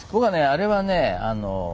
あれはね